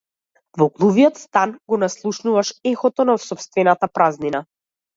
Во глувиот стан го наслушнуваш ехото на сопствената празнина.